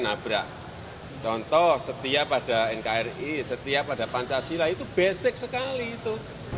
nabrak contoh setia pada nkri setia pada pancasila itu basic sekali itu